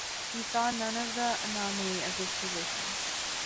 He saw none of the anomaly of his position.